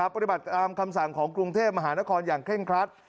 ปฏิบัติตามคำสั่งของกรุงเทพมหานครอย่างเคร่งครัด